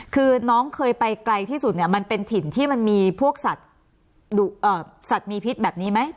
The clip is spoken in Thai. คือน้องเคยไปไกลที่สุดเนี่ยมันเป็นถิ่นที่มันมีพวกสัตว์มีพิษแบบนี้ไหม